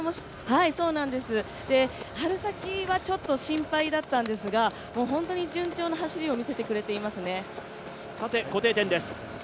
春先はちょっと心配だったんですが、本当に順調な走りを見せてくれていますね。